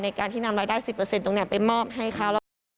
ในการที่นำรายได้๑๐ไปมอบให้เขา